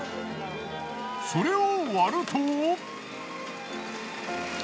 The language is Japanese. それを割ると。